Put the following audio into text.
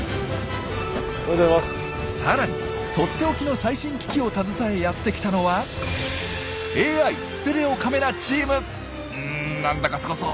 さらにとっておきの最新機器を携えやって来たのはうんなんだかすごそう。